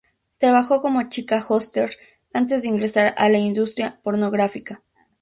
Trabajó como Chica Hooters antes de ingresar a la industria pornográfica.